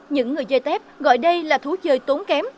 những người chơi tép gọi đây là thú chơi tốn kém